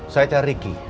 saya cari ricky